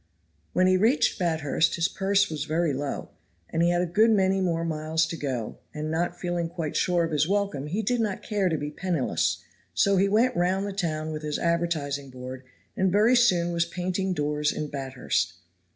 When he reached Bathurst his purse was very low, and he had a good many more miles to go, and not feeling quite sure of his welcome he did not care to be penniless, so he went round the town with his advertising board and very soon was painting doors in Bathurst.